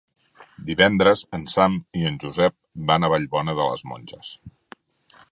Divendres en Sam i en Josep van a Vallbona de les Monges.